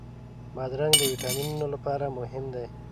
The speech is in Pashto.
بادرنګ د ویټامینونو لپاره مهم دی.